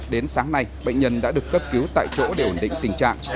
đến sáng nay bệnh nhân đã được cấp cứu tại chỗ để ổn định tình trạng